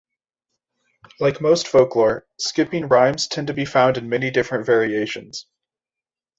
Like most folklore, skipping rhymes tend to be found in many different variations.